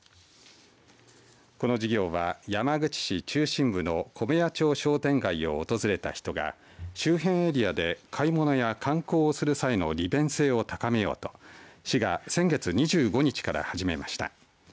この事業は山口市中心部の米屋町商店街を訪れた人が周辺エリアで買い物や観光をする際の利便性を高めようと市が先月２５日から始めました。